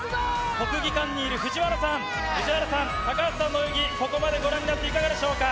国技館にいる藤原さん、藤原さん、高橋さんの泳ぎ、ここまでご覧になっていかがでしょうか。